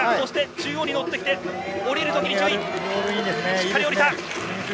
中央に乗ってきて下りるとき、しっかり下りた。